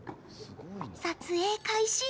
撮影開始。